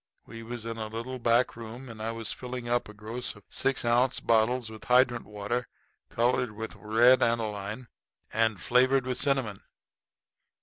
We was in a little back room, and I was filling up a gross of six ounce bottles with hydrant water colored red with aniline and flavored with cinnamon.